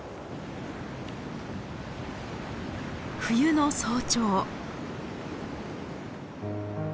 冬の早朝。